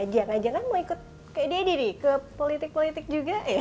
jangan jangan mau ikut kayak dia ini ke politik politik juga ya